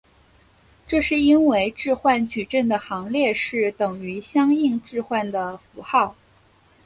这是因为置换矩阵的行列式等于相应置换的符号。